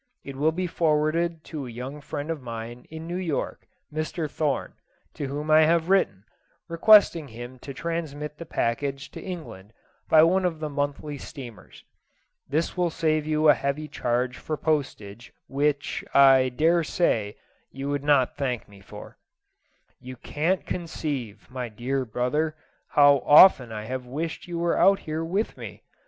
It will be forwarded to a young friend of mine in New York, Mr. Thorne, to whom I have written, requesting him to transmit the package to England by one of the monthly steamers. This will save you a heavy charge for postage, which, I dare say, you would not thank me for. You can't conceive, my dear brother, how often I have wished you were out here with me.